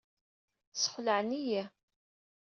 Sxelɛen-iyi.